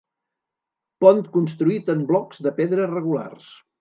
Pont construït en blocs de pedra regulars.